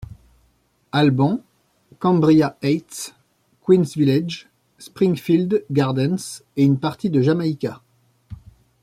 Albans, Cambria Heights, Queens Village, Springfield Gardens et une partie de Jamaica.